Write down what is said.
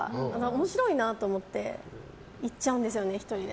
面白いなと思って行っちゃうんですよね、１人で。